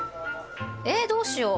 え、どうしよう。